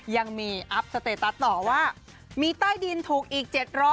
ยังมีอัพสเตตัสต่อว่ามีใต้ดินถูกอีก๗๐๐